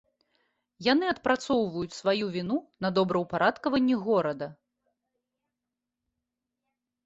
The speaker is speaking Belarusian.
Яны адпрацоўваюць сваю віну на добраўпарадкаванні горада.